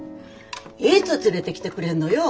いつ連れてきてくれんのよ。